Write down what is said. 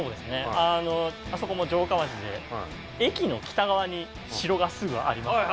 あのあそこも城下町で駅の北側に城がすぐありますよね。